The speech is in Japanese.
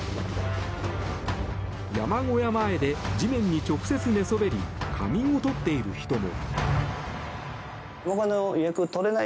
山小屋前で地面に直接寝そべり仮眠を取っている人も。